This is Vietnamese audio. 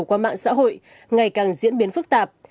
qua mạng xã hội ngày càng diễn biến phức tạp